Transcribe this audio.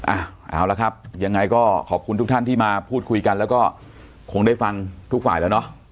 เอาละครับยังไงก็ขอบคุณทุกท่านที่มาพูดคุยกันแล้วก็คงได้ฟังทุกฝ่ายแล้วเนอะ